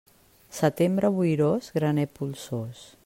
Setembre boirós, graner polsós.